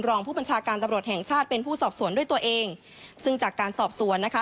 รองผู้บัญชาการตำรวจแห่งชาติเป็นผู้สอบสวนด้วยตัวเองซึ่งจากการสอบสวนนะคะ